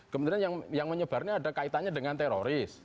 kemudian yang menyebarnya ada kaitannya dengan teroris